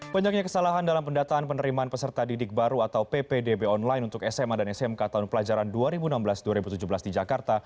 banyaknya kesalahan dalam pendataan penerimaan peserta didik baru atau ppdb online untuk sma dan smk tahun pelajaran dua ribu enam belas dua ribu tujuh belas di jakarta